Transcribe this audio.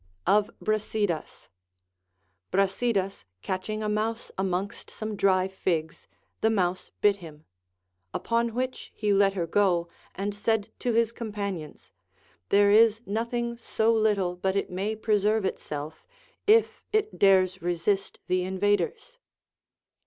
Of Br as Idas. Brasidas catching a mouse amongst some dry figs, the mouse bit him ; upon which he let her go, and said to his com|)anions, There is nothing so little but it may preserve itself, if it dares resist the invaders.